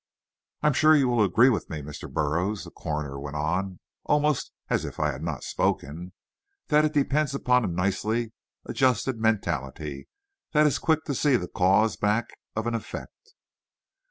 "I'm sure you will agree with me, Mr. Burroughs," the coroner went on, almost as if I had not spoken, "that it depends upon a nicely adjusted mentality that is quick to see the cause back of an effect."